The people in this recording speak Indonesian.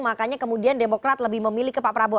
makanya kemudian demokrat lebih memilih ke pak prabowo